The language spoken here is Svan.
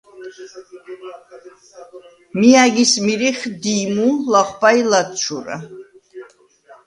მი ა̈გის მირიხ: დი̄ჲმუ, ლახვბა ი ლადჩურა.